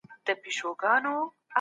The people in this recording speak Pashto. ملت ته خدمت کول ویاړ دی.